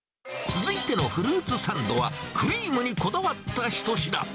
続いてのフルーツサンドは、クリームにこだわった一品。